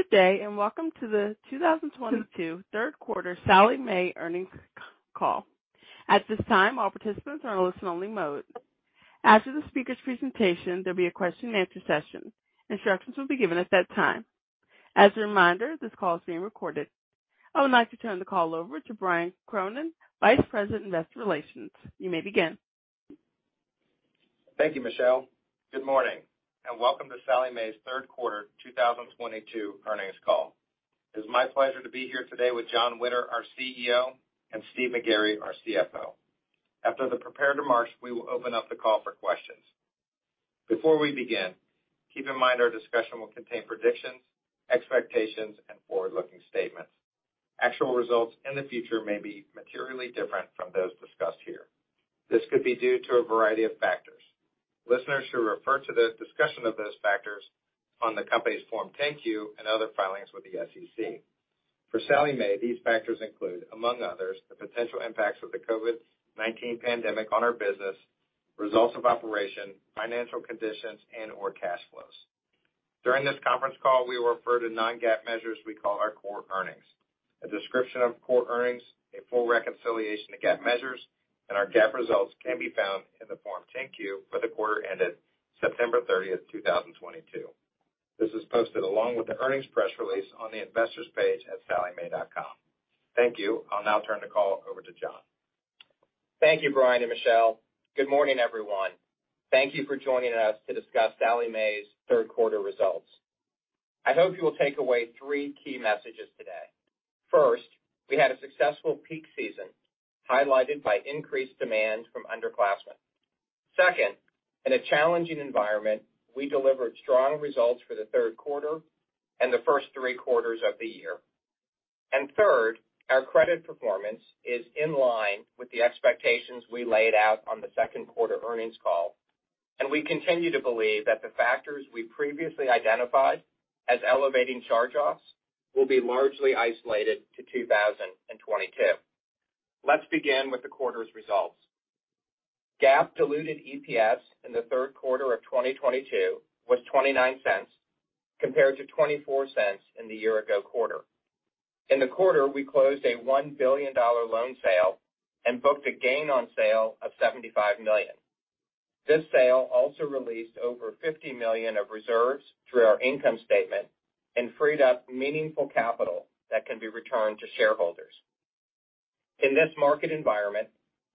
Good day, and welcome to the 2022 third quarter Sallie Mae earnings call. At this time, all participants are in listen-only mode. After the speaker's presentation, there'll be a question and answer session. Instructions will be given at that time. As a reminder, this call is being recorded. I would like to turn the call over to Brian Cronin, Vice President, Investor Relations. You may begin. Thank you, Michelle. Good morning, and welcome to Sallie Mae's third quarter 2022 earnings call. It is my pleasure to be here today with Jon Witter, our CEO, and Steve McGarry, our CFO. After the prepared remarks, we will open up the call for questions. Before we begin, keep in mind our discussion will contain predictions, expectations, and forward-looking statements. Actual results in the future may be materially different from those discussed here. This could be due to a variety of factors. Listeners should refer to the discussion of those factors on the company's Form 10-Q and other filings with the SEC. For Sallie Mae, these factors include, among others, the potential impacts of the COVID-19 pandemic on our business, results of operation, financial conditions, and/or cash flows. During this conference call, we will refer to non-GAAP measures we call our core earnings. A description of core earnings, a full reconciliation to GAAP measures, and our GAAP results can be found in the Form 10-Q for the quarter ended September 30, 2022. This is posted along with the earnings press release on the investors page at salliemae.com. Thank you. I'll now turn the call over to Jon. Thank you, Brian and Michelle. Good morning, everyone. Thank you for joining us to discuss Sallie Mae's third quarter results. I hope you will take away three key messages today. First, we had a successful peak season highlighted by increased demand from underclassmen. Second, in a challenging environment, we delivered strong results for the third quarter and the first three quarters of the year. Third, our credit performance is in line with the expectations we laid out on the second quarter earnings call, and we continue to believe that the factors we previously identified as elevating charge-offs will be largely isolated to 2022. Let's begin with the quarter's results. GAAP diluted EPS in the third quarter of 2022 was $0.29 compared to $0.24 in the year-ago quarter. In the quarter, we closed a $1 billion loan sale and booked a gain on sale of $75 million. This sale also released over $50 million of reserves through our income statement and freed up meaningful capital that can be returned to shareholders. In this market environment,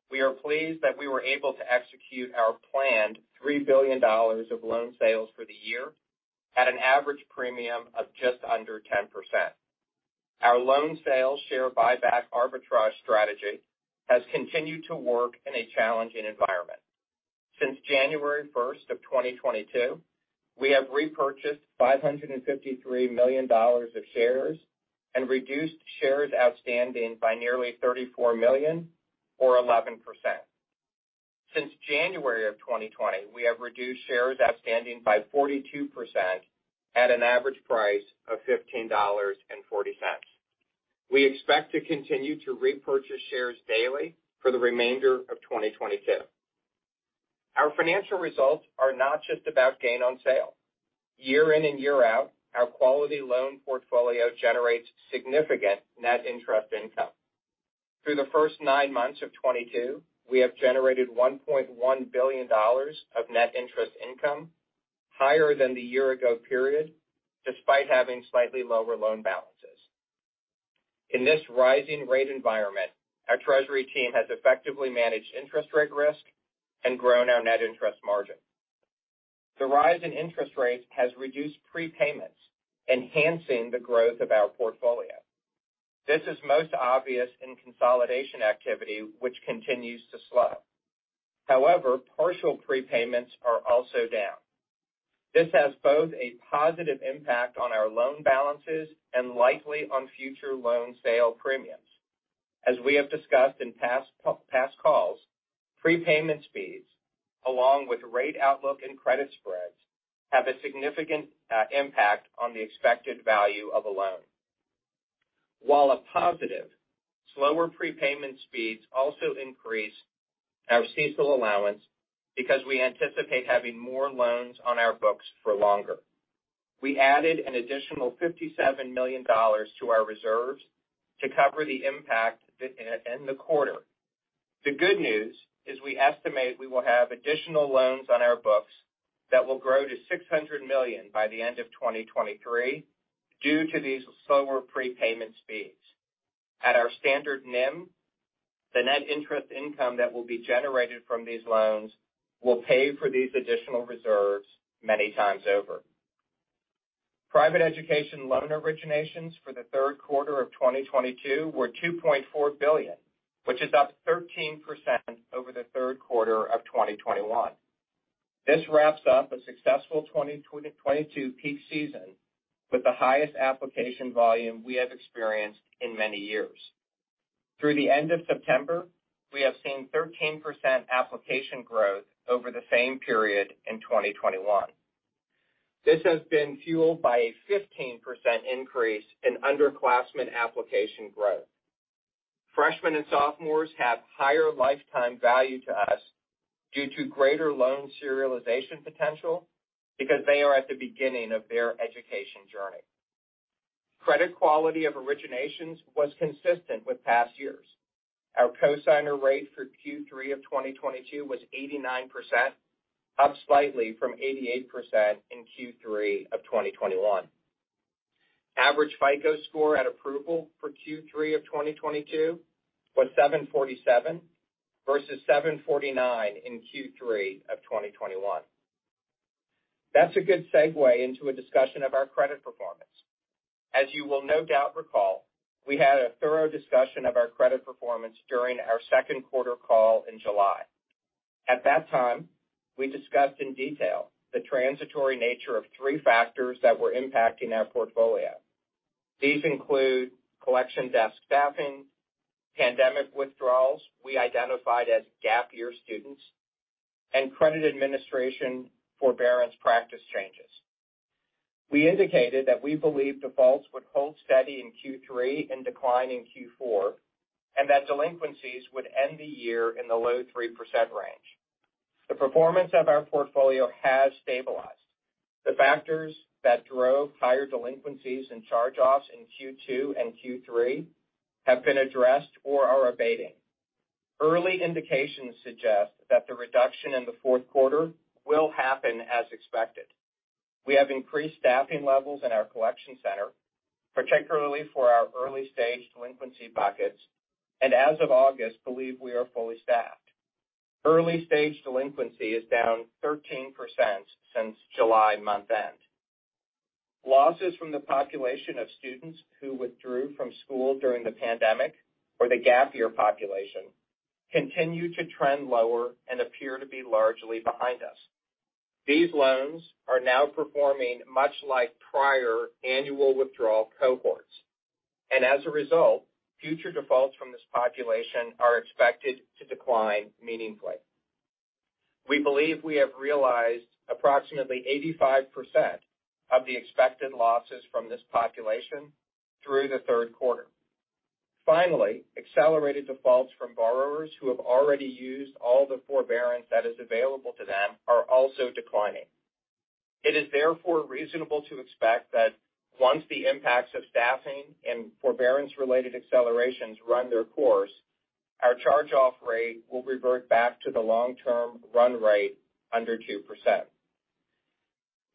we are pleased that we were able to execute our planned $3 billion of loan sales for the year at an average premium of just under 10%. Our loan sale share buyback arbitrage strategy has continued to work in a challenging environment. Since January 1st, 2022, we have repurchased $553 million of shares and reduced shares outstanding by nearly 34 million or 11%. Since January 2020, we have reduced shares outstanding by 42% at an average price of $15.40. We expect to continue to repurchase shares daily for the remainder of 2022. Our financial results are not just about gain on sale. Year in and year out, our quality loan portfolio generates significant net interest income. Through the first nine months of 2022, we have generated $1.1 billion of net interest income higher than the year ago period, despite having slightly lower loan balances. In this rising rate environment, our treasury team has effectively managed interest rate risk and grown our net interest margin. The rise in interest rates has reduced prepayments, enhancing the growth of our portfolio. This is most obvious in consolidation activity, which continues to slow. However, partial prepayments are also down. This has both a positive impact on our loan balances and likely on future loan sale premiums. As we have discussed in past calls, prepayment speeds, along with rate outlook and credit spreads, have a significant impact on the expected value of a loan. While a positive slower prepayment speeds also increase our CECL allowance because we anticipate having more loans on our books for longer. We added an additional $57 million to our reserves to cover the impact in the quarter. The good news is we estimate we will have additional loans on our books that will grow to $600 million by the end of 2023 due to these slower prepayment speeds. At our standard NIM, the net interest income that will be generated from these loans will pay for these additional reserves many times over. Private education loan originations for the third quarter of 2022 were $2.4 billion, which is up 13% over the third quarter of 2021. This wraps up a successful 2022 peak season with the highest application volume we have experienced in many years. Through the end of September, we have seen 13% application growth over the same period in 2021. This has been fueled by a 15% increase in underclassmen application growth. Freshmen and sophomores have higher lifetime value to us due to greater loan serialization potential because they are at the beginning of their education journey. Credit quality of originations was consistent with past years. Our cosigner rate for Q3 of 2022 was 89%, up slightly from 88% in Q3 of 2021. Average FICO score at approval for Q3 of 2022 was 747 versus 749 in Q3 of 2021. That's a good segue into a discussion of our credit performance. As you will no doubt recall, we had a thorough discussion of our credit performance during our second quarter call in July. At that time, we discussed in detail the transitory nature of three factors that were impacting our portfolio. These include collection desk staffing, pandemic withdrawals we identified as gap year students, and credit administration forbearance practice changes. We indicated that we believe defaults would hold steady in Q3 and decline in Q4, and that delinquencies would end the year in the low 3% range. The performance of our portfolio has stabilized. The factors that drove higher delinquencies and charge-offs in Q2 and Q3 have been addressed or are abating. Early indications suggest that the reduction in the fourth quarter will happen as expected. We have increased staffing levels in our collection center, particularly for our early-stage delinquency buckets, and, as of August, we believe we are fully staffed. Early-stage delinquency is down 13% since July month-end. Losses from the population of students who withdrew from school during the pandemic or the gap year population continue to trend lower and appear to be largely behind us. These loans are now performing much like prior annual withdrawal cohorts. As a result, future defaults from this population are expected to decline meaningfully. We believe we have realized approximately 85% of the expected losses from this population through the third quarter. Finally, accelerated defaults from borrowers who have already used all the forbearance that is available to them are also declining. It is therefore reasonable to expect that once the impacts of staffing and forbearance-related accelerations run their course, our charge-off rate will revert back to the long-term run rate under 2%.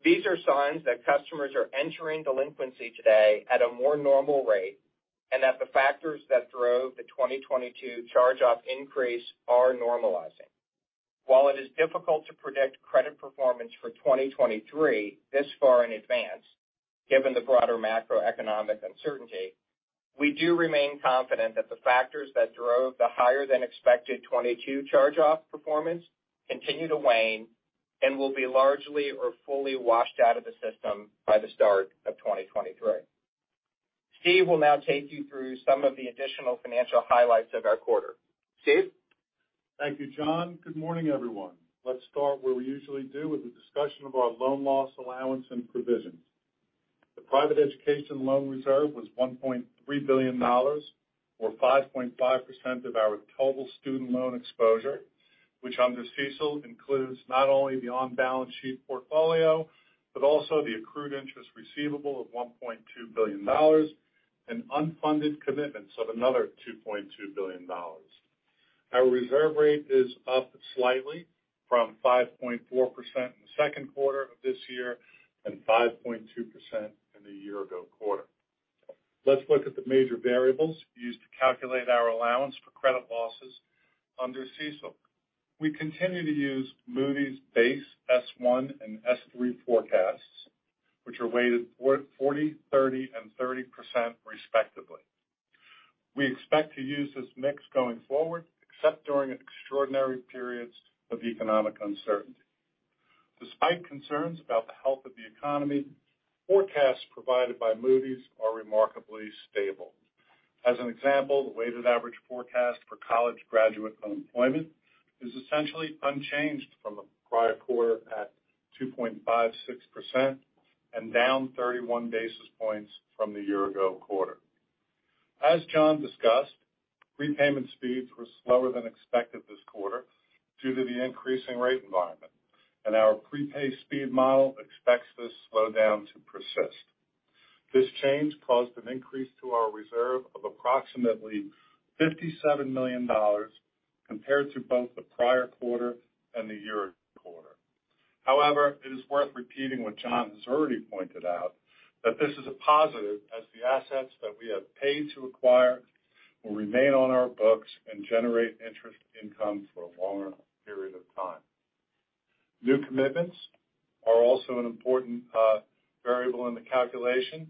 These are signs that customers are entering delinquency today at a more normal rate, and that the factors that drove the 2022 charge-off increase are normalizing. While it is difficult to predict credit performance for 2023 this far in advance, given the broader macroeconomic uncertainty, we do remain confident that the factors that drove the higher than expected 2022 charge-off performance continue to wane and will be largely or fully washed out of the system by the start of 2023. Steve will now take you through some of the additional financial highlights of our quarter. Steve? Thank you, Jon. Good morning, everyone. Let's start where we usually do with a discussion of our loan loss allowance and provisions. The private education loan reserve was $1.3 billion or 5.5% of our total student loan exposure, which under CECL includes not only the on-balance sheet portfolio, but also the accrued interest receivable of $1.2 billion and unfunded commitments of another $2.2 billion. Our reserve rate is up slightly from 5.4% in the second quarter of this year and 5.2% in the year-ago quarter. Let's look at the major variables used to calculate our allowance for credit losses under CECL. We continue to use Moody's base S1 and S3 forecasts, which are weighted 40%, 30%, and 30% respectively. We expect to use this mix going forward, except during extraordinary periods of economic uncertainty. Despite concerns about the health of the economy, forecasts provided by Moody's are remarkably stable. As an example, the weighted average forecast for college graduate unemployment is essentially unchanged from the prior quarter at 2.56% and down 31 basis points from the year-ago quarter. As Jon discussed, prepayment speeds were slower than expected this quarter due to the increasing rate environment, and our prepay speed model expects this slowdown to persist. This change caused an increase to our reserve of approximately $57 million compared to both the prior quarter and the year-ago quarter. However, it is worth repeating what John has already pointed out, that this is a positive as the assets that we have paid to acquire will remain on our books and generate interest income for a longer period of time. New commitments are also an important variable in the calculation.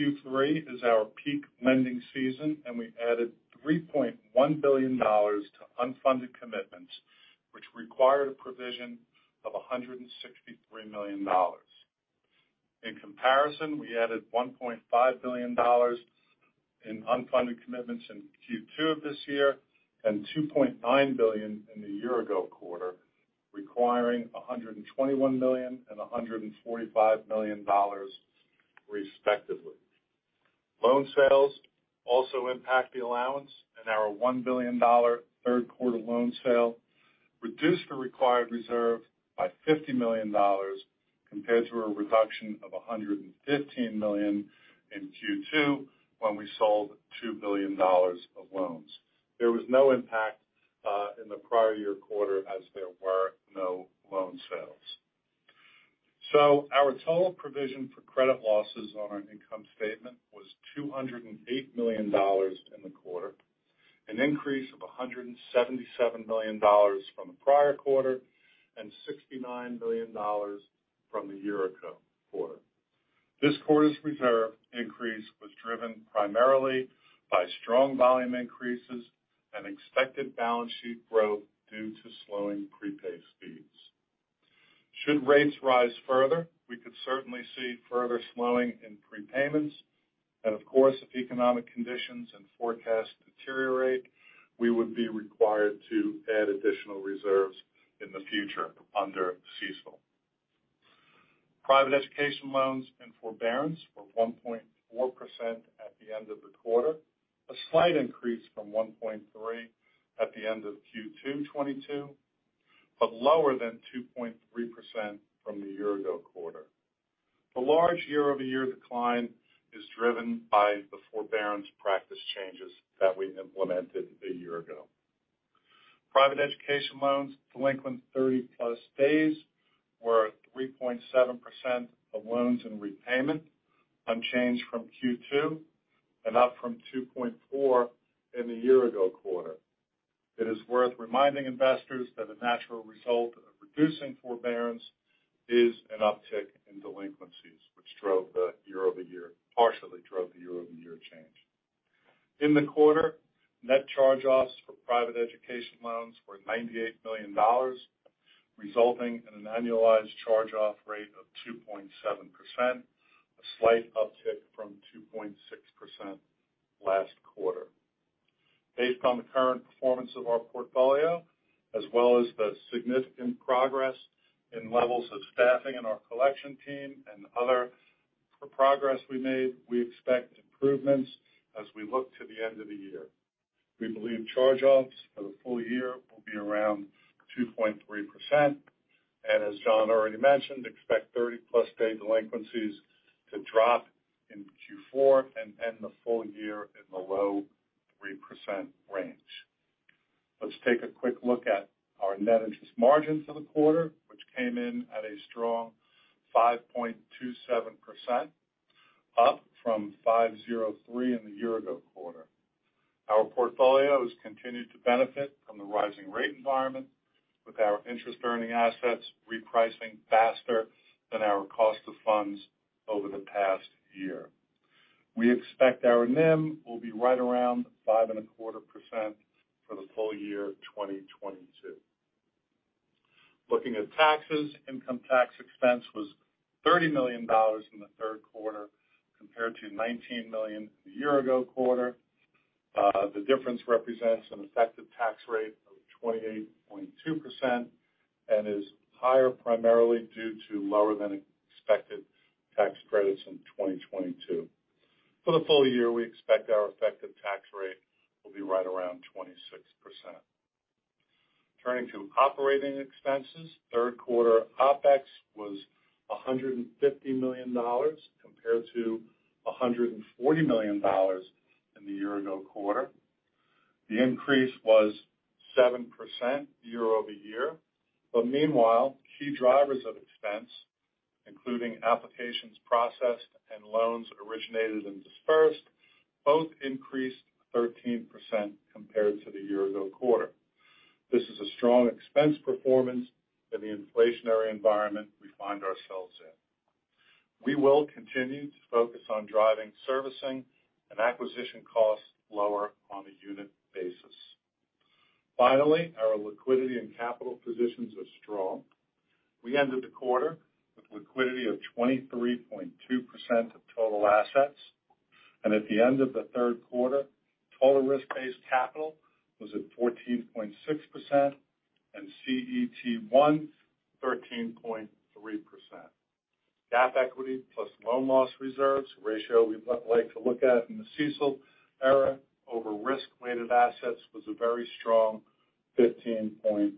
Q3 is our peak lending season, and we added $3.1 billion to unfunded commitments, which required a provision of $163 million. In comparison, we added $1.5 billion in unfunded commitments in Q2 of this year and $2.9 billion in the year-ago quarter, requiring $121 million and $145 million, respectively. Loan sales also impact the allowance in our $1 billion third quarter loan sale, reduced the required reserve by $50 million compared to a reduction of $115 million in Q2 when we sold $2 billion of loans. There was no impact in the prior year quarter as there were no loan sales. Our total provision for credit losses on our income statement was $208 million in the quarter, an increase of $177 million from the prior quarter, and $69 million from the year ago quarter. This quarter's reserve increase was driven primarily by strong volume increases and expected balance sheet growth due to slowing prepay speeds. Should rates rise further, we could certainly see further slowing in prepayments. Of course, if economic conditions and forecasts deteriorate, we would be required to add additional reserves in the future under CECL. Private education loans in forbearance were 1.4% at the end of the quarter, a slight increase from 1.3% at the end of Q2 2022, but lower than 2.3% from the year-ago quarter. The large year-over-year decline is driven by the forbearance practice changes that we implemented a year ago. Private education loans delinquent 30+ days were 3.7% of loans in repayment, unchanged from Q2 and up from 2.4% in the year-ago quarter. It is worth reminding investors that a natural result of reducing forbearance is an uptick in delinquencies, which partially drove the year-over-year change. In the quarter, net charge-offs for private education loans were $98 million, resulting in an annualized charge-off rate of 2.7%, a slight uptick from 2.6% last quarter. Based on the current performance of our portfolio, as well as the significant progress in levels of staffing in our collection team and other progress we made, we expect improvements as we look to the end of the year. We believe charge-offs for the full-year will be around 2.3%. As Jon already mentioned, expect 30+ day delinquencies to drop in Q4 and end the full-year in the low 3% range. Let's take a quick look at our net interest margins for the quarter, which came in at a strong 5.27%, up from 5.03% in the year-ago quarter. Our portfolio has continued to benefit from the rising rate environment, with our interest earning assets repricing faster than our cost of funds over the past year. We expect our NIM will be right around 5.25% for the full-year 2022. Looking at taxes, income tax expense was $30 million in the third quarter compared to $19 million a year ago quarter. The difference represents an effective tax rate of 28.2% and is higher primarily due to lower than expected tax credits in 2022. For the full-year, we expect our effective tax rate will be right around 26%. Turning to operating expenses, third quarter OpEx was $150 million compared to $140 million in the year ago quarter. The increase was 7% year-over-year. Meanwhile, key drivers of expense, including applications processed and loans originated and dispersed, both increased 13% compared to the year ago quarter. This is a strong expense performance in the inflationary environment we find ourselves in. We will continue to focus on driving servicing and acquisition costs lower on a unit basis. Finally, our liquidity and capital positions are strong. We ended the quarter with liquidity of 23.2% of total assets, and at the end of the third quarter, total risk-based capital was at 14.6% and CET1, 13.3%. GAAP equity plus loan loss reserves ratio we like to look at in the CECL era over risk-weighted assets was a very strong 15.7%.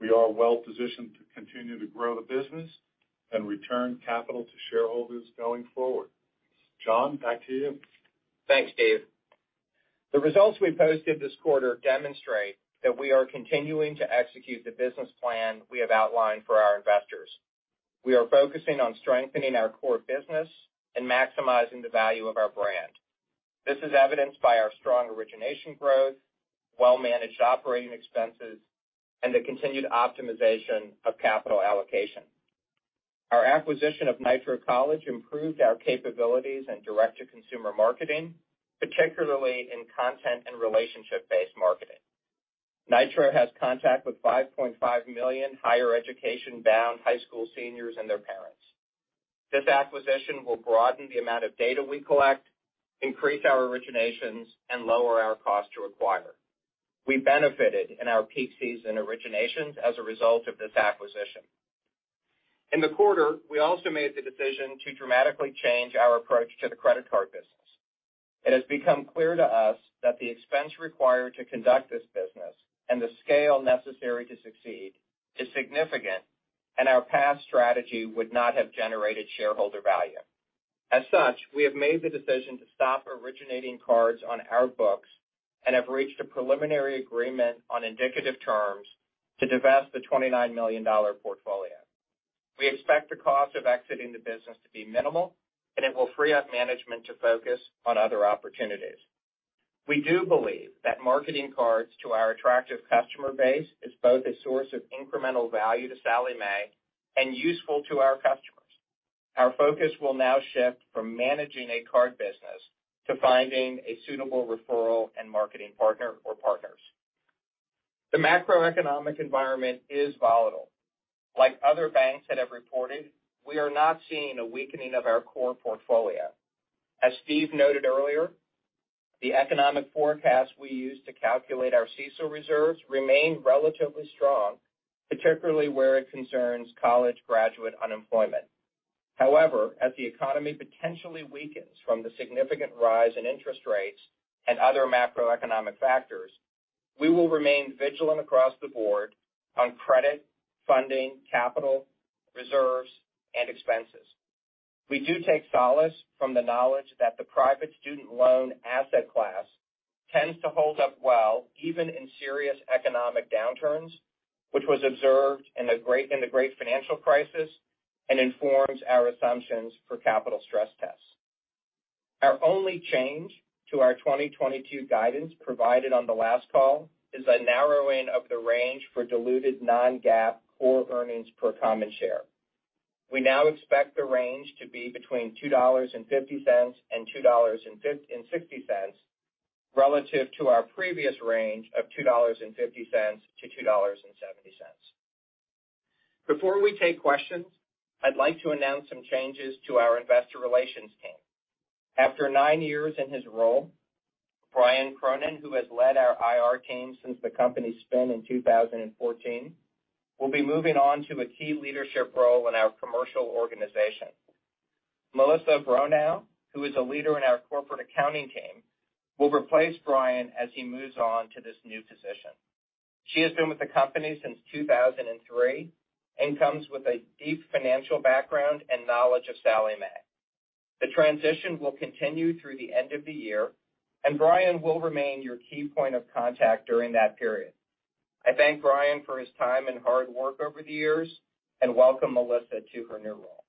We are well-positioned to continue to grow the business and return capital to shareholders going forward. Jon, back to you. Thanks, Steve. The results we posted this quarter demonstrate that we are continuing to execute the business plan we have outlined for our investors. We are focusing on strengthening our core business and maximizing the value of our brand. This is evidenced by our strong origination growth, well-managed operating expenses, and the continued optimization of capital allocation. Our acquisition of Nitro College improved our capabilities in direct-to-consumer marketing, particularly in content and relationship-based marketing. Nitro has contact with 5.5 million higher education bound high school seniors and their parents. This acquisition will broaden the amount of data we collect, increase our originations, and lower our cost to acquire. We benefited in our peak season originations as a result of this acquisition. In the quarter, we also made the decision to dramatically change our approach to the credit card business. It has become clear to us that the expense required to conduct this business and the scale necessary to succeed is significant, and our past strategy would not have generated shareholder value. As such, we have made the decision to stop originating cards on our books and have reached a preliminary agreement on indicative terms to divest the $29 million portfolio. We expect the cost of exiting the business to be minimal, and it will free up management to focus on other opportunities. We do believe that marketing cards to our attractive customer base is both a source of incremental value to Sallie Mae and useful to our customers. Our focus will now shift from managing a card business to finding a suitable referral and marketing partner or partners. The macroeconomic environment is volatile. Like other banks that have reported, we are not seeing a weakening of our core portfolio. As Steve noted earlier, the economic forecast we use to calculate our CECL reserves remain relatively strong, particularly where it concerns college graduate unemployment. However, as the economy potentially weakens from the significant rise in interest rates and other macroeconomic factors, we will remain vigilant across the board on credit, funding, capital, reserves, and expenses. We do take solace from the knowledge that the private student loan asset class tends to hold up well, even in serious economic downturns, which was observed in the great financial crisis and informs our assumptions for capital stress tests. Our only change to our 2022 guidance provided on the last call is a narrowing of the range for diluted non-GAAP core earnings per common share. We now expect the range to be between $2.50 and $2.60, relative to our previous range of $2.50-$2.70. Before we take questions, I'd like to announce some changes to our investor relations team. After nine years in his role, Brian Cronin, who has led our IR team since the company spin in 2014, will be moving on to a key leadership role in our commercial organization. Melissa Bronaugh, who is a leader in our corporate accounting team, will replace Brian as he moves on to this new position. She has been with the company since 2003 and comes with a deep financial background and knowledge of Sallie Mae. The transition will continue through the end of the year, and Brian will remain your key point of contact during that period. I thank Brian for his time and hard work over the years, and welcome Melissa to her new role.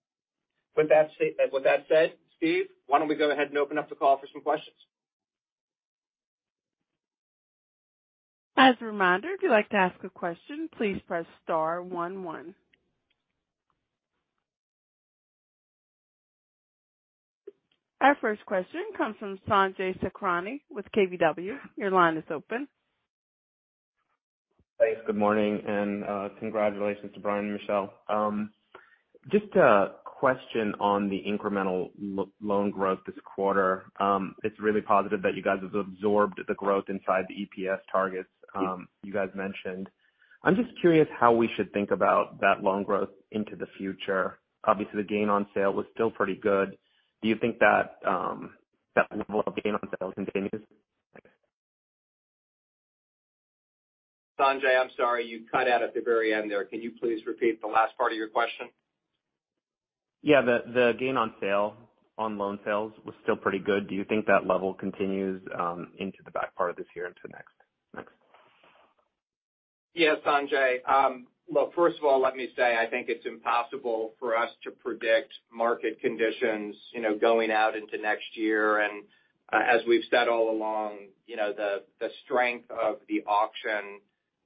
With that said, Steve, why don't we go ahead and open up the call for some questions? As a reminder, if you'd like to ask a question, please press star one one. Our first question comes from Sanjay Sakhrani with KBW. Your line is open. Thanks. Good morning, and congratulations to Brian and Michelle. Just a question on the incremental loan growth this quarter. It's really positive that you guys have absorbed the growth inside the EPS targets you guys mentioned. I'm just curious how we should think about that loan growth into the future. Obviously, the gain on sale was still pretty good. Do you think that level of gain on sales continues? Thanks. Sanjay, I'm sorry. You cut out at the very end there. Can you please repeat the last part of your question? Yeah. The gain on sale on loan sales was still pretty good. Do you think that level continues into the back part of this year into next? Thanks. Yeah, Sanjay. Look, first of all, let me say, I think it's impossible for us to predict market conditions, you know, going out into next year. As we've said all along, you know, the strength of the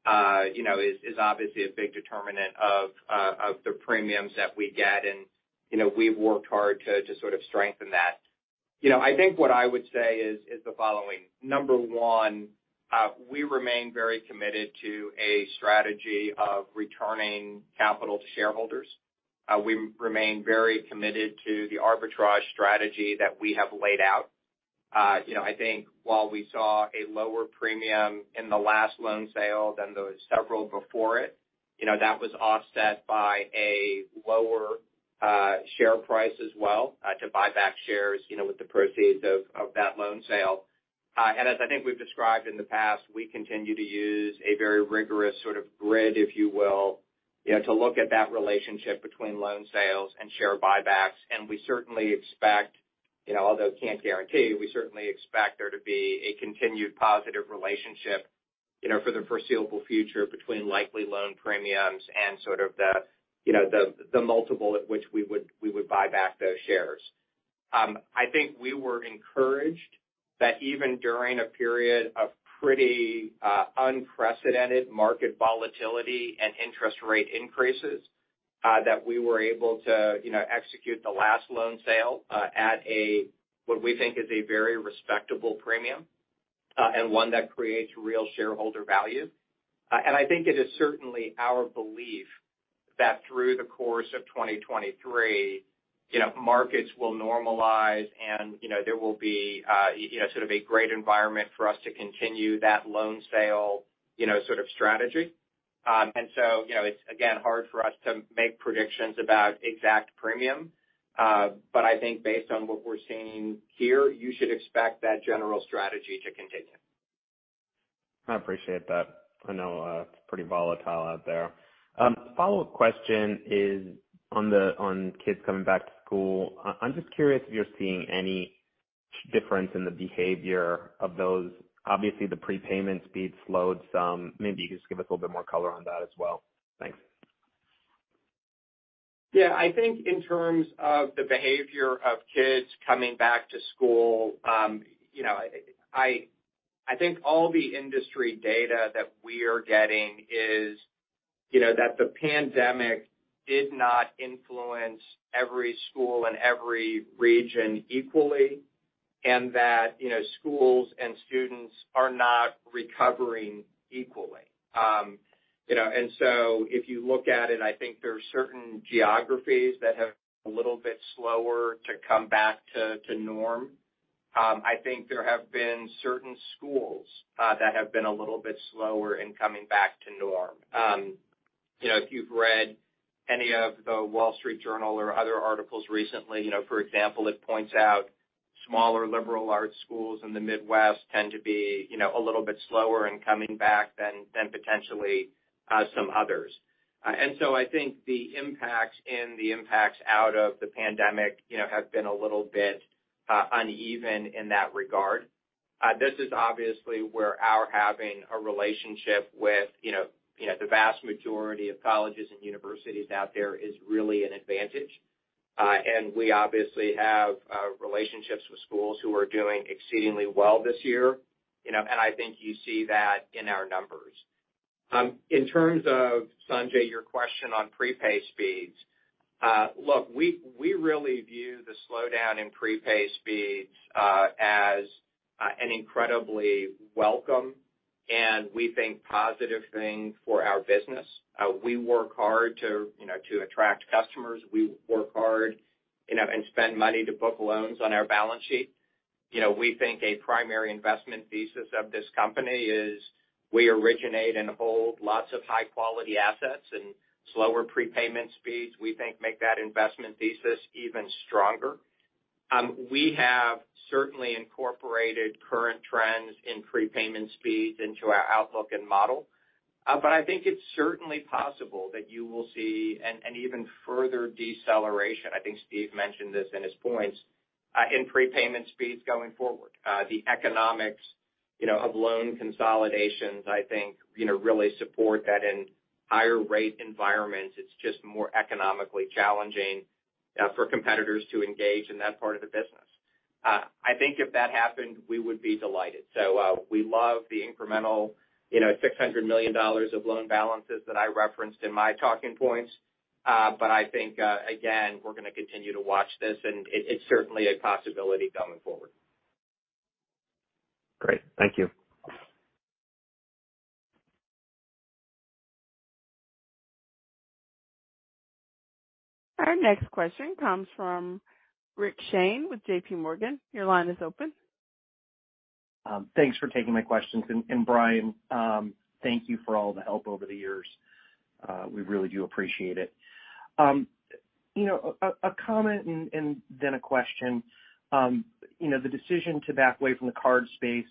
auction, you know, is obviously a big determinant of the premiums that we get, and, you know, we've worked hard to sort of strengthen that. You know, I think what I would say is the following. Number one, we remain very committed to a strategy of returning capital to shareholders. We remain very committed to the arbitrage strategy that we have laid out. You know, I think while we saw a lower premium in the last loan sale than those several before it, you know, that was offset by a lower share price as well to buy back shares, you know, with the proceeds of that loan sale. As I think we've described in the past, we continue to use a very rigorous sort of grid, if you will, you know, to look at that relationship between loan sales and share buybacks. We certainly expect, you know, although can't guarantee, we certainly expect there to be a continued positive relationship, you know, for the foreseeable future between likely loan premiums and sort of the multiple at which we would buy back those shares. I think we were encouraged that even during a period of pretty unprecedented market volatility and interest rate increases that we were able to, you know, execute the last loan sale at a what we think is a very respectable premium and one that creates real shareholder value. I think it is certainly our belief that through the course of 2023, you know, markets will normalize and, you know, there will be you know sort of a great environment for us to continue that loan sale, you know, sort of strategy. You know, it's again hard for us to make predictions about exact premium. I think based on what we're seeing here, you should expect that general strategy to continue. I appreciate that. I know it's pretty volatile out there. Follow-up question is on kids coming back to school. I'm just curious if you're seeing any difference in the behavior of those. Obviously, the prepayment speed slowed some. Maybe you could just give us a little bit more color on that as well. Thanks. Yeah, I think in terms of the behavior of kids coming back to school, you know, I think all the industry data that we are getting is, you know, that the pandemic did not influence every school and every region equally, and that, you know, schools and students are not recovering equally. If you look at it, I think there are certain geographies that have a little bit slower to come back to norm. I think there have been certain schools that have been a little bit slower in coming back to norm. You know, if you've read any of the Wall Street Journal or other articles recently, you know, for example, it points out smaller liberal arts schools in the Midwest tend to be, you know, a little bit slower in coming back than potentially some others. I think the impacts out of the pandemic, you know, have been a little bit uneven in that regard. This is obviously where our having a relationship with, you know, the vast majority of colleges and universities out there is really an advantage. We obviously have relationships with schools who are doing exceedingly well this year, you know, and I think you see that in our numbers. In terms of, Sanjay, your question on prepay speeds. Look, we really view the slowdown in prepay speeds as an incredibly welcome and we think positive thing for our business. We work hard, you know, to attract customers. We work hard, you know, and spend money to book loans on our balance sheet. You know, we think a primary investment thesis of this company is we originate and hold lots of high-quality assets and slower prepayment speeds, we think make that investment thesis even stronger. We have certainly incorporated current trends in prepayment speeds into our outlook and model. I think it's certainly possible that you will see an even further deceleration. I think Steve mentioned this in his points in prepayment speeds going forward. The economics, you know, of loan consolidations, I think, you know, really support that in higher rate environments, it's just more economically challenging for competitors to engage in that part of the business. I think if that happened, we would be delighted. We love the incremental, you know, $600 million of loan balances that I referenced in my talking points. But I think, again, we're gonna continue to watch this, and it's certainly a possibility going forward. Great. Thank you. Our next question comes from Rick Shane with JP Morgan. Your line is open. Thanks for taking my questions. Brian, thank you for all the help over the years. We really do appreciate it. You know, a comment and then a question. You know, the decision to back away from the card space,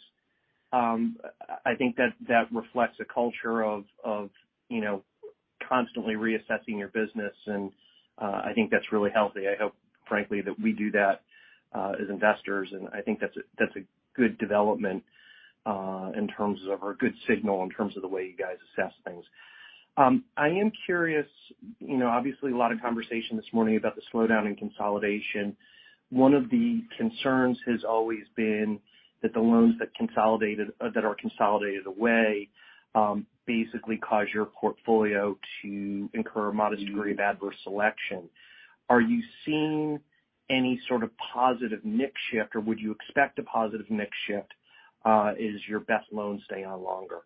I think that reflects a culture of you know, constantly reassessing your business, and I think that's really healthy. I hope, frankly, that we do that as investors, and I think that's a good development or a good signal in terms of the way you guys assess things. I am curious, you know, obviously a lot of conversation this morning about the slowdown in consolidation. One of the concerns has always been that the loans that are consolidated away basically cause your portfolio to incur a modest degree of adverse selection. Are you seeing any sort of positive mix shift, or would you expect a positive mix shift as your best loans stay on longer?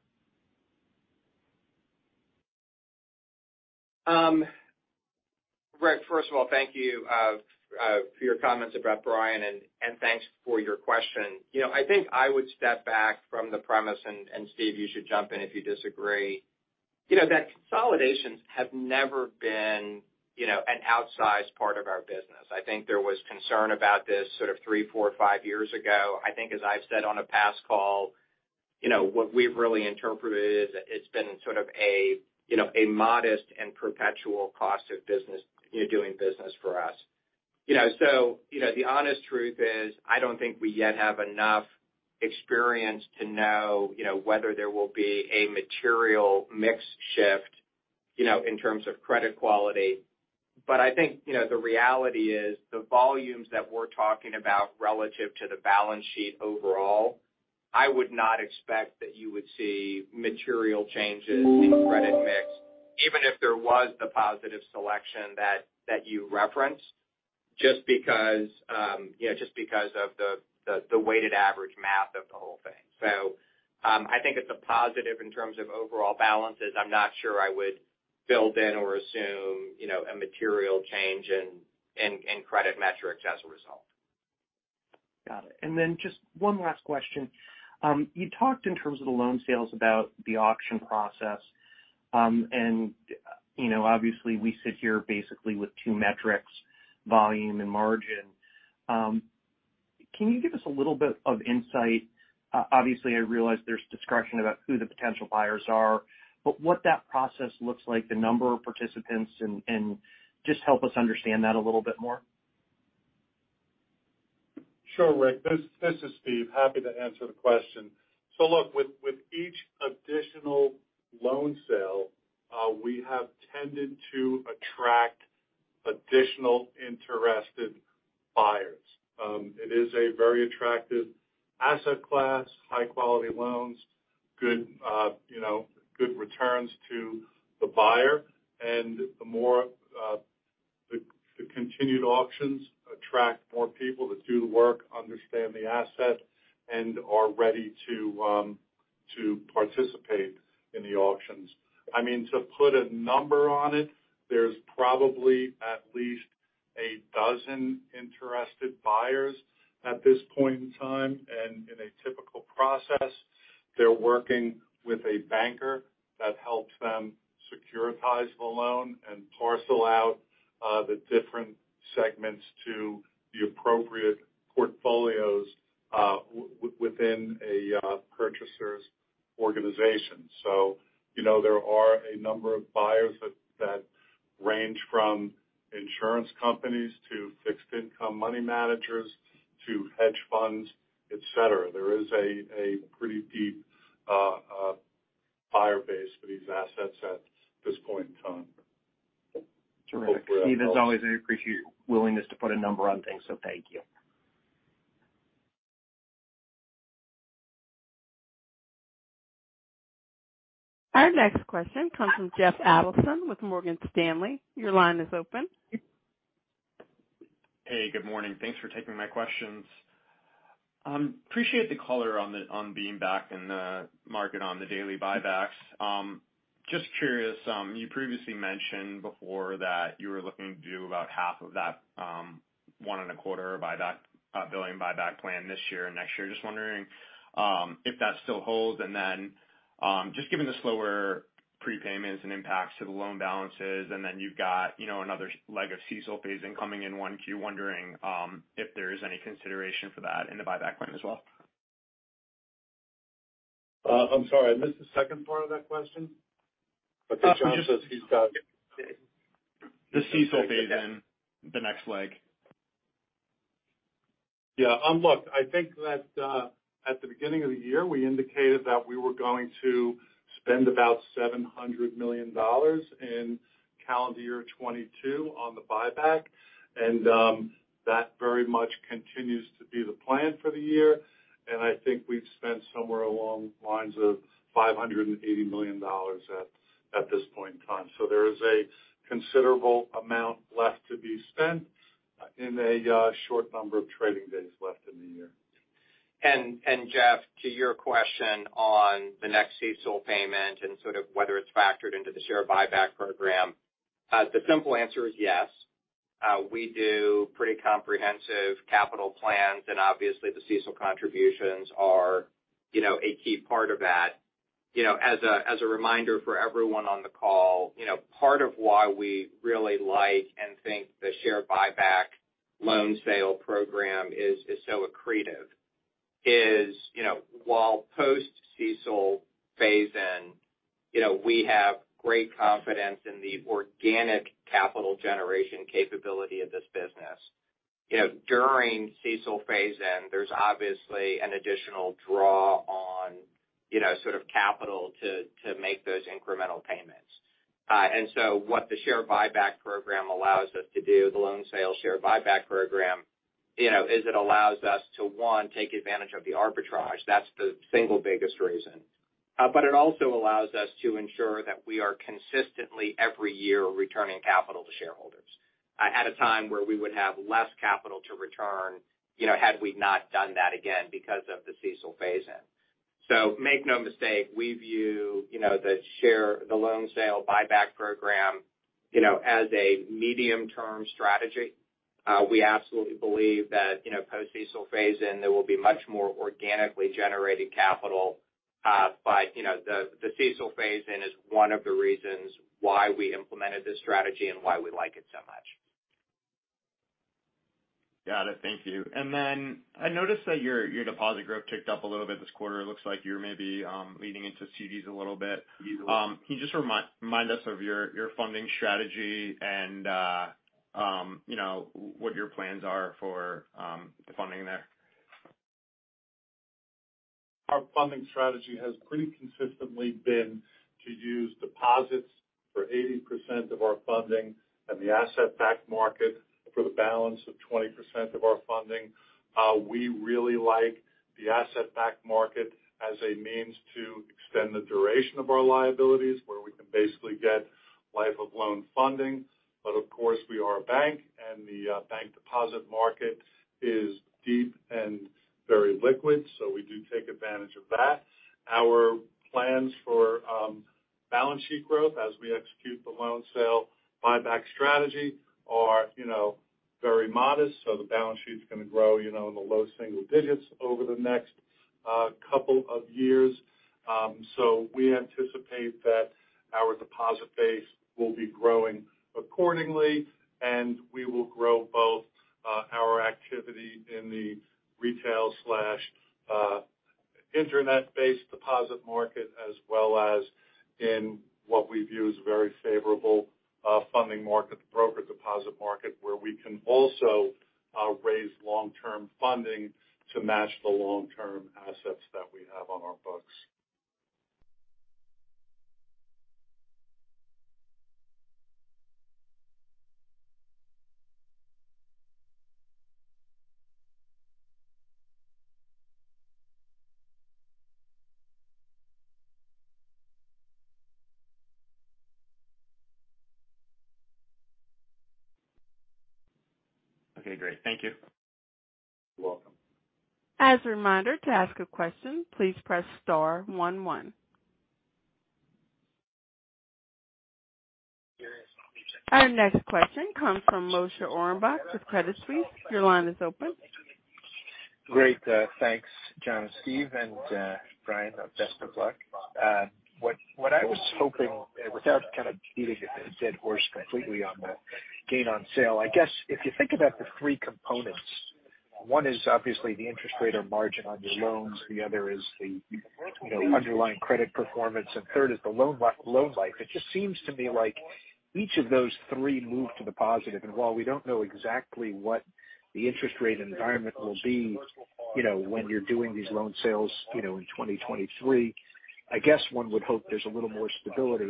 Rick, first of all, thank you for your comments about Brian, and thanks for your question. You know, I think I would step back from the premise, and Steven, you should jump in if you disagree. You know, that consolidations have never been, you know, an outsized part of our business. I think there was concern about this sort of 3, 4, 5 years ago. I think as I've said on a past call, you know, what we've really interpreted it is it's been sort of a, you know, a modest and perpetual cost of business, you know, doing business for us. You know, so, you know, the honest truth is, I don't think we yet have enough experience to know, you know, whether there will be a material mix shift, you know, in terms of credit quality. I think, you know, the reality is the volumes that we're talking about relative to the balance sheet overall, I would not expect that you would see material changes in credit mix, even if there was the positive selection that you referenced. Just because of the weighted average math of the whole thing. I think it's a positive in terms of overall balances. I'm not sure I would build in or assume, you know, a material change in credit metrics as a result. Got it. Just one last question. You talked in terms of the loan sales about the auction process. You know, obviously we sit here basically with two metrics, volume and margin. Can you give us a little bit of insight, obviously, I realize there's discretion about who the potential buyers are, but what that process looks like, the number of participants and just help us understand that a little bit more. Sure, Rick. This is Steve. Happy to answer the question. Look, with each additional loan sale, we have tended to attract additional interested buyers. It is a very attractive asset class, high quality loans, good, you know, good returns to the buyer. The more, the continued auctions attract more people that do the work, understand the asset, and are ready to participate in the auctions. I mean, to put a number on it, there's probably at least a dozen interested buyers at this point in time. In a typical process, they're working with a banker that helps them securitize the loan and parcel out the different segments to the appropriate portfolios within a purchaser's organization. You know, there are a number of buyers that range from insurance companies to fixed income money managers to hedge funds, et cetera. There is a pretty deep buyer base for these assets at this point in time. Terrific. Steve, as always, I appreciate your willingness to put a number on things, so thank you. Our next question comes from Jeffrey Adelson with Morgan Stanley. Your line is open. Hey, good morning. Thanks for taking my questions. Appreciate the color on being back in the market on the daily buybacks. Just curious, you previously mentioned before that you were looking to do about half of that $1.25 billion buyback plan this year and next year. Just wondering if that still holds. Then, just given the slower prepayments and impacts to the loan balances, and then you've got, you know, another leg of CECL phase-in coming in 1Q, wondering if there is any consideration for that in the buyback plan as well. I'm sorry, I missed the second part of that question. Jon says he's got it. The CECL phase-in, the next leg. Yeah. Look, I think that at the beginning of the year, we indicated that we were going to spend about $700 million in calendar year 2022 on the buyback. That very much continues to be the plan for the year. I think we've spent somewhere along the lines of $580 million at this point in time. There is a considerable amount left to be spent in a short number of trading days left in the year. Jeff, to your question on the next CECL payment and sort of whether it's factored into the share buyback program, the simple answer is yes. We do pretty comprehensive capital plans, and obviously the CECL contributions are, you know, a key part of that. You know, as a reminder for everyone on the call, you know, part of why we really like and think the share buyback loan sale program is so accretive is, you know, while post-CECL phase-in, you know, we have great confidence in the organic capital generation capability of this business. You know, during CECL phase-in, there's obviously an additional draw on, you know, sort of capital to make those incremental payments. What the share buyback program allows us to do, the loan sale share buyback program, you know, is it allows us to, one, take advantage of the arbitrage. That's the single biggest reason. It also allows us to ensure that we are consistently every year returning capital to shareholders at a time where we would have less capital to return, you know, had we not done that again because of the CECL phase-in. Make no mistake, we view, you know, the share, the loan sale buyback program, you know, as a medium-term strategy. We absolutely believe that, you know, post-CECL phase-in, there will be much more organically generated capital. But, you know, the CECL phase-in is one of the reasons why we implemented this strategy and why we like it so much. Got it. Thank you. Then I noticed that your deposit growth ticked up a little bit this quarter. It looks like you're maybe leaning into CDs a little bit. Can you just remind us of your funding strategy and, you know, what your plans are for the funding there? Our funding strategy has pretty consistently been to use deposits for 80% of our funding and the asset-backed market for the balance of 20% of our funding. We really like the asset-backed market as a means to extend the duration of our liabilities, where we can basically get life-of-loan funding. Of course, we are a bank, and the bank deposit market is deep and very liquid, so we do take advantage of that. Our plans for balance sheet growth as we execute the loan sale buyback strategy are, you know, very modest, so the balance sheet's going to grow, you know, in the low single digits over the next couple of years. We anticipate that our deposit base will be growing accordingly, and we will grow both our activity in the retail, internet-based deposit market as well as in what we view as very favorable funding market, the broker deposit market, where we can also raise long-term funding to match the long-term assets that we have on our books. Okay, great. Thank you. You're welcome. As a reminder, to ask a question, please press star one. Our next question comes from Moshe Orenbuch of Credit Suisse. Your line is open. Great. Thanks, Jon, Steven, and Brian. Best of luck. What I was hoping without kind of beating a dead horse completely on the gain on sale, I guess if you think about the three components, one is obviously the interest rate or margin on your loans. The other is you know, underlying credit performance, and third is the loan life. It just seems to me like each of those three move to the positive. While we don't know exactly what the interest rate environment will be, you know, when you're doing these loan sales, you know, in 2023, I guess one would hope there's a little more stability.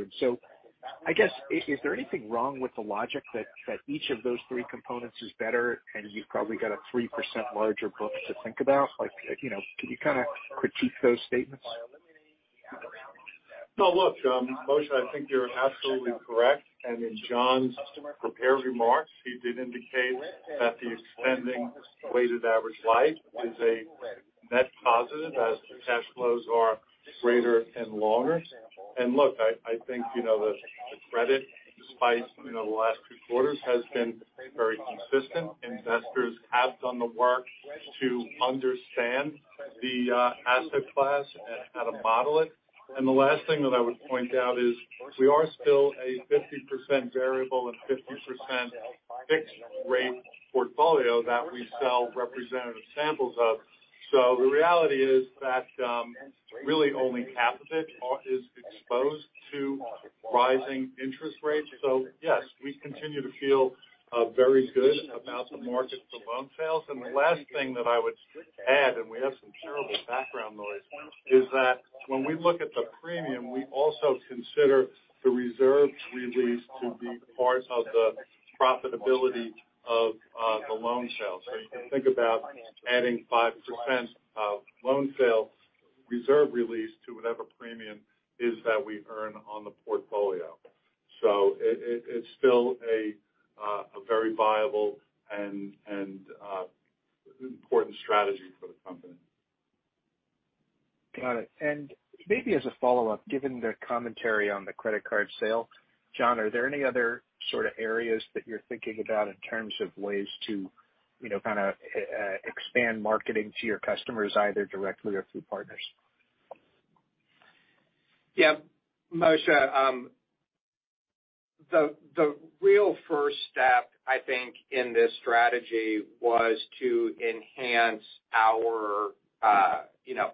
I guess, is there anything wrong with the logic that each of those three components is better, and you've probably got a 3% larger book to think about? Like, you know, can you kind of critique those statements? No. Look, Moshe, I think you're absolutely correct. In Jon's prepared remarks, he did indicate that the extending weighted average life is a net positive as the cash flows are greater and longer. Look, I think, you know, the credit, despite, you know, the last two quarters, has been very consistent. Investors have done the work to understand the asset class and how to model it. The last thing that I would point out is we are still a 50% variable and 50% fixed rate portfolio that we sell representative samples of. The reality is that really only half of it is exposed to rising interest rates. Yes, we continue to feel very good about the market for loan sales. The last thing that I would add, and we have some terrible background noise, is that when we look at the premium, we also consider the reserves released to be part of the profitability of the loan sale. You can think about adding 5% of loan sale reserve release to whatever premium is that we earn on the portfolio. It's still a very viable and important strategy for the company. Got it. Maybe as a follow-up, given the commentary on the credit card sale, Jon, are there any other sort of areas that you're thinking about in terms of ways to, you know, kind of, expand marketing to your customers, either directly or through partners? Yeah. Moshe, the real first step, I think, in this strategy was to enhance our you know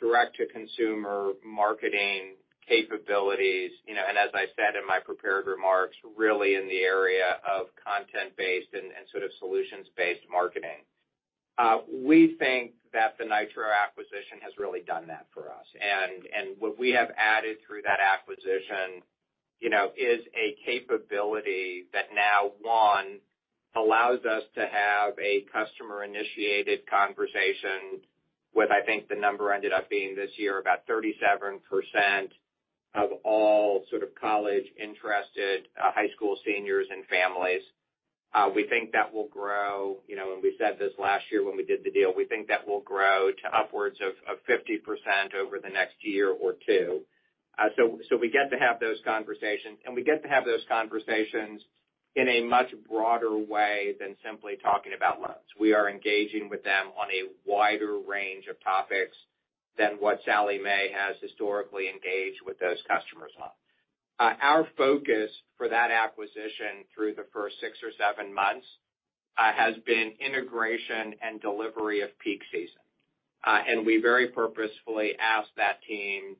direct to consumer marketing capabilities. You know, as I said in my prepared remarks, really in the area of content-based and sort of solutions-based marketing. We think that the Nitro acquisition has really done that for us. What we have added through that acquisition, you know, is a capability that now, one, allows us to have a customer-initiated conversation with, I think the number ended up being this year, about 37% of all sort of college-interested high school seniors and families. We think that will grow. You know, we said this last year when we did the deal. We think that will grow to upwards of 50% over the next year or two. We get to have those conversations, and we get to have those conversations in a much broader way than simply talking about loans. We are engaging with them on a wider range of topics than what Sallie Mae has historically engaged with those customers on. Our focus for that acquisition through the first six or seven months has been integration and delivery of peak season. We very purposefully asked that team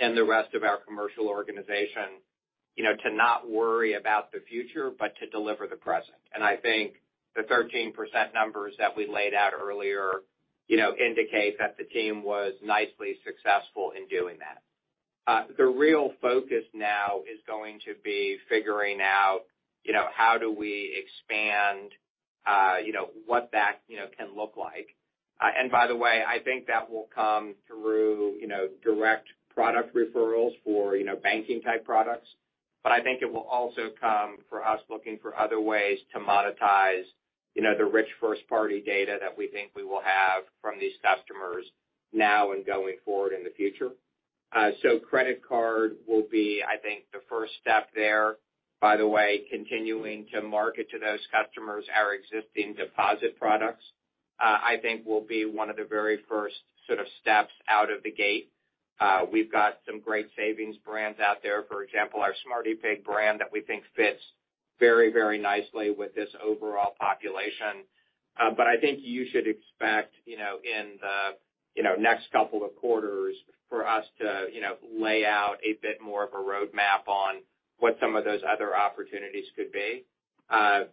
and the rest of our commercial organization, you know, to not worry about the future, but to deliver the present. I think the 13% numbers that we laid out earlier, you know, indicate that the team was nicely successful in doing that. The real focus now is going to be figuring out, you know, how do we expand, you know, what that, you know, can look like. By the way, I think that will come through, you know, direct product referrals for, you know, banking type products. I think it will also come from us looking for other ways to monetize, you know, the rich first party data that we think we will have from these customers now and going forward in the future. Credit card will be, I think, the first step there. By the way, continuing to market to those customers our existing deposit products, I think will be one of the very first sort of steps out of the gate. We've got some great savings brands out there, for example, our SmartyPig brand that we think fits very, very nicely with this overall population. I think you should expect, you know, in the, you know, next couple of quarters for us to, you know, lay out a bit more of a roadmap on what some of those other opportunities could be.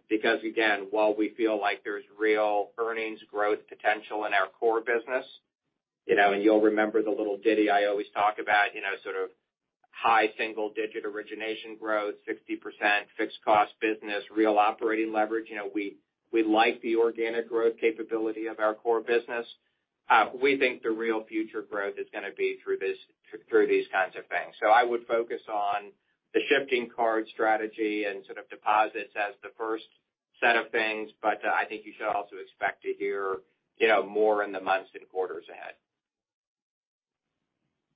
Because again, while we feel like there's real earnings growth potential in our core business, you know, and you'll remember the little ditty I always talk about, you know, sort of high single digit origination growth, 60% fixed cost business, real operating leverage. You know, we like the organic growth capability of our core business. We think the real future growth is gonna be through these kinds of things. I would focus on the shifting card strategy and sort of deposits as the first set of things, but I think you should also expect to hear, you know, more in the months and quarters ahead.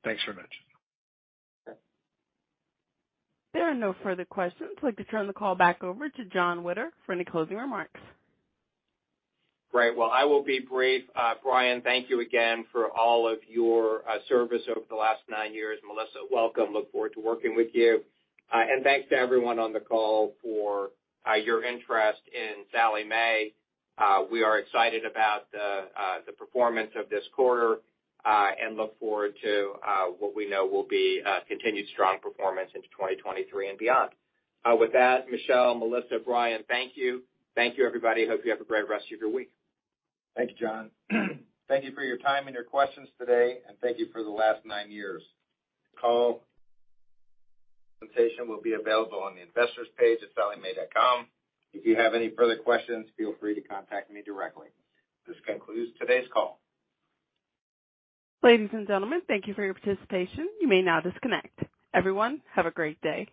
Thanks very much. There are no further questions. I'd like to turn the call back over to Jon Witter for any closing remarks. Great. Well, I will be brief. Brian, thank you again for all of your service over the last nine years. Melissa, welcome. Look forward to working with you. Thanks to everyone on the call for your interest in Sallie Mae. We are excited about the performance of this quarter and look forward to what we know will be continued strong performance into 2023 and beyond. With that, Michelle, Melissa, Brian, thank you. Thank you, everybody. Hope you have a great rest of your week. Thanks, Jon. Thank you for your time and your questions today, and thank you for the last nine years. Call presentation will be available on the investors page at salliemae.com. If you have any further questions, feel free to contact me directly. This concludes today's call. Ladies and gentlemen, thank you for your participation. You may now disconnect. Everyone, have a great day.